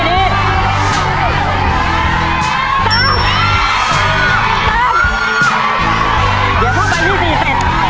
เดี๋ยวพอใบที่๔เสร็จ